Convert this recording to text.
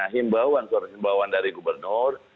himbauan himbauan dari gubernur